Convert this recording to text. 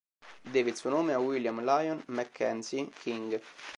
Deve il suo nome a William Lyon Mackenzie King